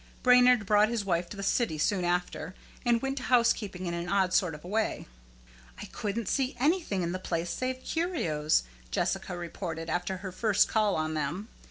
Brainard brought his wife to the city soon after, and went to housekeeping in an odd sort of a way. "I couldn't see anything in the place save curios," Jessica reported, after her first call on them.